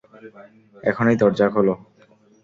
এখনই দরজা খোলো!